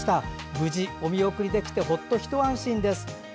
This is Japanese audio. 無事、お見送りできてほっと一安心です。